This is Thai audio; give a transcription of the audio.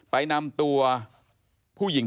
ไปนำตัวผู้หญิง